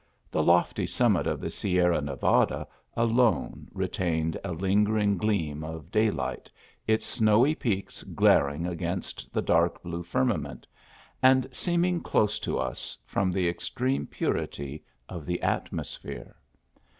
The iofty summit of the Sierra Nevada alone retained a lingering gleam cf day light, its snowy peaks glaring" against the cLuk blue firmament ; and seeming close to us, from the extreme purity of the atmosphere.